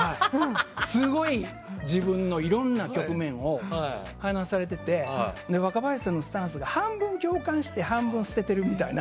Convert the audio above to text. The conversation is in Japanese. すごい自分のいろんな局面を話されてて若林さんのスタンスが半分共感して半分捨ててるみたいな。